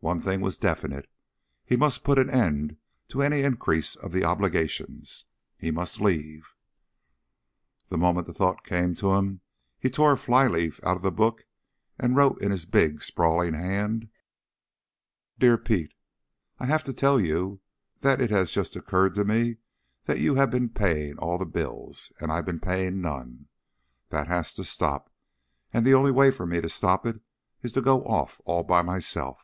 One thing was definite. He must put an end to any increase of the obligations. He must leave. The moment the thought came to him he tore a flyleaf out of the book and wrote in his big, sprawling hand: Dear Pete: _I have to tell you that it has just occurred to me that you have been paying all the bills, and I've been paying none. That has to stop, and the only way for me to stop it is to go off all by myself.